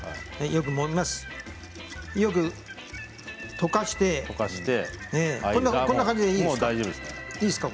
よく溶かしてこんな感じでいいですか？